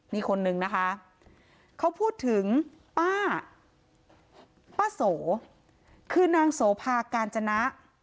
นี่คนนึงนะคะเขาพูดถึงป้าป้าโสคือนางโสภากาญจนะ